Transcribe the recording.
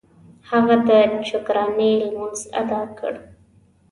هغه د شکرانې لمونځ ادا کړ.